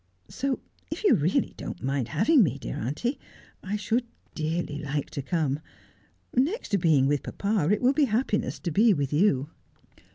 So if you really don't mind having me, dear auntie, I should dearly like to come. Next to being with papa it will be happiness to be with you.'